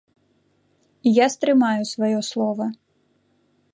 І я стрымаю сваё слова.